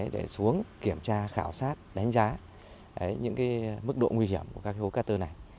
để xuống kiểm tra khảo sát đánh giá những mức độ nguy hiểm của các hố cát tơ này